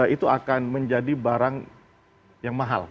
itu akan menjadi barang yang mahal